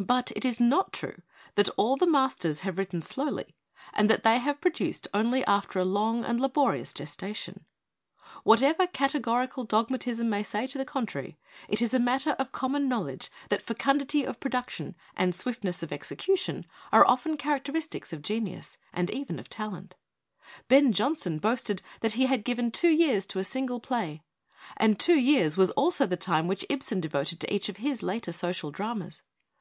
But that all the masters have written slowly and that they have produced only after a long and laborious gestation, \\lia i< gorical dogmatism may say to the contra r a matter of common knowledge that fecundity 209 ON WORKING TOO MUCH AND WORKING TOO FAST of production and swiftness of execution are often characteristics of genius and even of talent. Ben Jonson boasted that he had given two years to a single play; and two years was also the time which Ibsen devoted to each of his later social dramas.